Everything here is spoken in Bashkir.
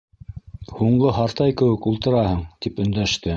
Һуңғы Һартай кеүек ултыраһың? - тип өндәште.